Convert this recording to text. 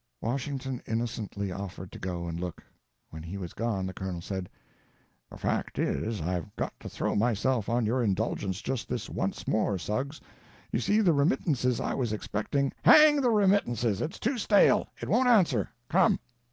Washington innocently offered to go and look. When he was gone the Colonel said: "The fact is, I've got to throw myself on your indulgence just this once more, Suggs; you see the remittances I was expecting—" "Hang the remittances—it's too stale—it won't answer. Come!"